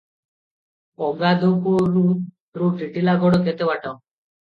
ଅଗାଧୁପୁରରୁ ଟିଟିଲାଗଡ଼ କେତେ ବାଟ?